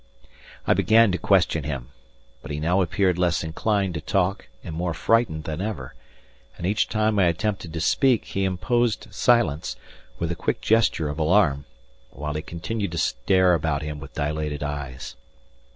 I began to question him, but he now appeared less inclined to talk and more frightened than ever, and each time I attempted to speak he imposed silence, with a quick gesture of alarm, while he continued to stare about him with dilated eyes.